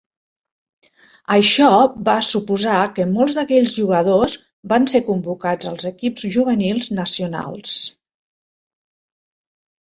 Això va suposar que molts d’aquells jugadors van ser convocats als equips juvenils nacionals.